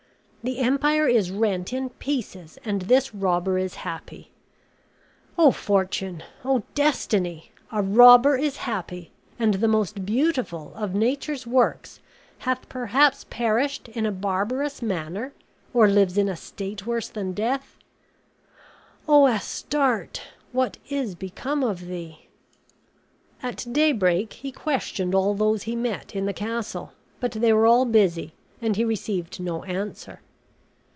The empire is rent in pieces; and this robber is happy. O fortune! O destiny! A robber is happy, and the most beautiful of nature's works hath perhaps perished in a barbarous manner or lives in a state worse than death. O Astarte! what is become of thee?" At daybreak he questioned all those he met in the castle; but they were all busy, and he received no answer.